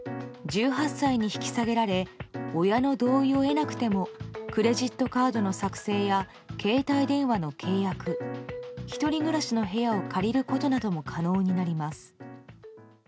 １８歳に引き下げられ親の同意を得なくてもクレジットカードの作成や携帯電話の契約１人暮らしの部屋を借りることなども可能になります。